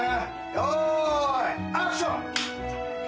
用意アクション！